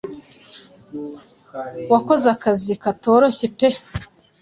wakoze akazi katoroshye pe